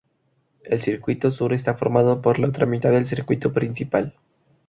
El circuito sur está formado por la otra mitad del circuito principal.